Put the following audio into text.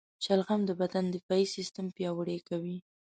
شلغم د بدن دفاعي سیستم پیاوړی کوي.